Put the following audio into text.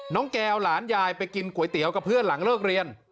แก้วหลานยายไปกินก๋วยเตี๋ยวกับเพื่อนหลังเลิกเรียน